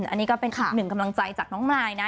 อันนี้ก็เป็นอีกหนึ่งกำลังใจจากน้องมายนะ